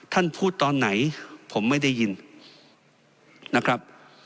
ท่านพูดตอนไหนผมไม่ได้ยินนะครับ